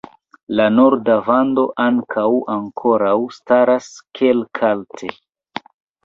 La norda vando ankaŭ ankoraŭ staras kelkalte.